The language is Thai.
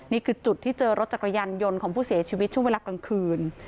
นี่คือจุดที่เจอรถจักรยานยนต์ของผู้เสียชีวิตช่วงเวลากลางคืน